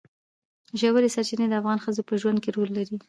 ژورې سرچینې د افغان ښځو په ژوند کې رول لري.